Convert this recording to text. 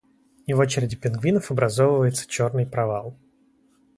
и в очереди пингвинов образовывается черный провал